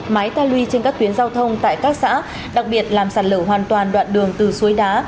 mái ta luy trên các tuyến giao thông tại các xã đặc biệt làm sạt lở hoàn toàn đoạn đường từ suối đá